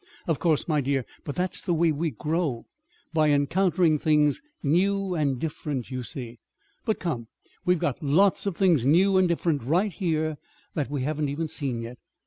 "Of course, my dear; but that's the way we grow by encountering things new and different, you see. But come, we've got lots of things new and different right here that we haven't even seen yet.